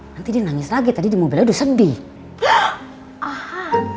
nanti dia nangis lagi tadi di mobilnya udah sedih